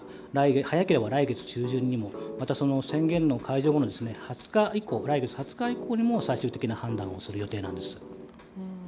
早ければ来月中旬にも宣言の解除後の来月２０日以降にも最終的な判断をする予定なんです。